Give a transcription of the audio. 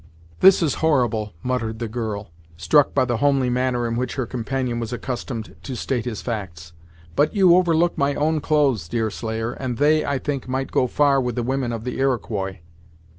"This is horrible!" muttered the girl, struck by the homely manner in which her companion was accustomed to state his facts. "But you overlook my own clothes, Deerslayer, and they, I think, might go far with the women of the Iroquois."